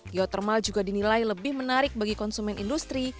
geotermal juga dinilai lebih menarik bagi konsumen industri